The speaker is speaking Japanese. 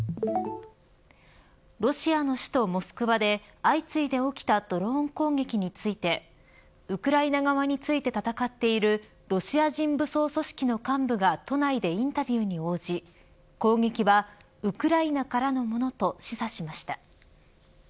ロシアの首都モスクワで相次いで起きたドローン攻撃についてウクライナ側について戦っているロシア人武装組織の幹部が都内でインタビューに応じ攻撃はウクライナからのものと示唆しました。